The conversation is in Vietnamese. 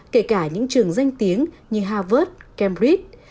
kể cả những trường danh tiếng như harvard cambridge